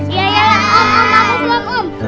iya iya om om aku belum om